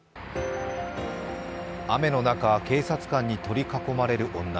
雨の中、警察官に取り囲まれる女。